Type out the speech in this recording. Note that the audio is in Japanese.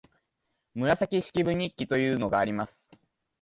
「紫式部日記」というのがあります